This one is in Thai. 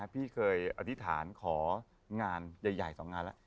พี่เคยอธิษฐานของานใหญ่๒งานแล้ว